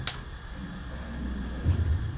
Teqqim tefṛeḥ nezzeh.